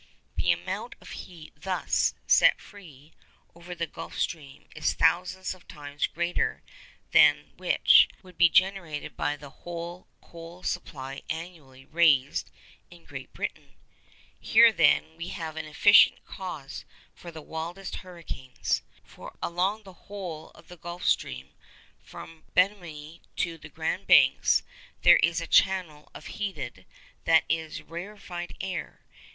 The amount of heat thus set free over the Gulf Stream is thousands of times greater than that which would be generated by the whole coal supply annually raised in Great Britain. Here, then, we have an efficient cause for the wildest hurricanes. For, along the whole of the Gulf Stream, from Bemini to the Grand Banks, there is a channel of heated—that is, rarefied air.